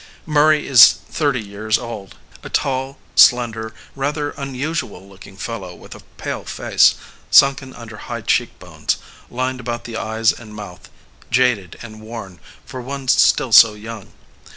Murray is thirty years old a tall, slender, rather unusual looking fellow with a pale face, sunken wider high cheek bones, lined about the eyes and mouth, jaded and worn for one still so young.